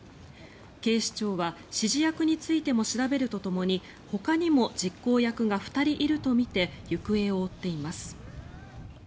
警視庁は指示役についても調べるとともにほかにも実行役が２人いるとみて行方を追っています。